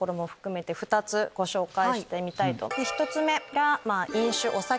１つ目が。